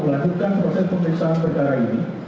melanjutkan proses pemeriksaan perkara ini